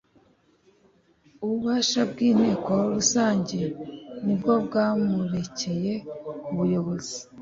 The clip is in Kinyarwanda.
Ububasha bw inteko rusange nibwo bwamurekeye ku buyobozi